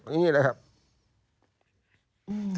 คุณต้องยอมฟัง